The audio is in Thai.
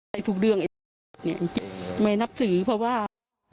ในทุกเรื่องไอไม่นับสือเพราะว่า